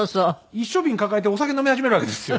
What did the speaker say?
一升瓶抱えてお酒飲み始めるわけですよ。